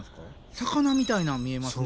魚みたいなん見えますね。